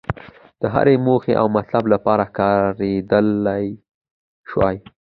د هرې موخې او مطلب لپاره کارېدلای شوای.